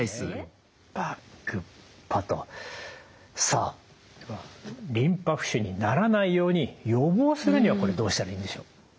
さあリンパ浮腫にならないように予防するにはこれどうしたらいいんでしょう？